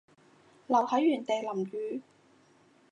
留喺原地淋雨